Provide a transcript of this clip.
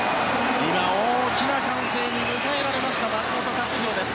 大きな歓声に迎えられました松元克央です。